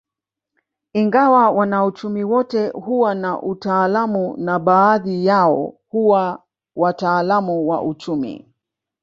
Ingawa wanauchumi wote huwa na utaalamu na baadhi yao huwa wataalamu wa uchumi